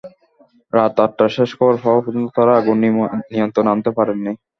রাত আটটায় শেষ খবর পাওয়া পর্যন্ত তাঁরা আগুন নিয়ন্ত্রণে আনতে পারেননি।